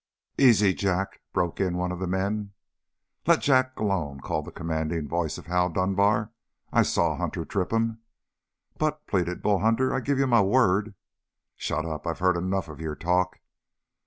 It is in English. "Easy, Jack!" broke in one of the men. "Let Jack alone," called the commanding voice of Hal Dunbar. "I saw Hunter trip him!" "But," pleaded Bull Hunter, "I give you my word " "Shut up! I've heard enough of your talk."